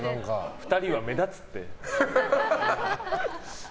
２人は目立つって。